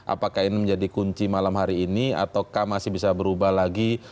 apakah ini menjadi kunci malam hari ini ataukah masih bisa berubah lagi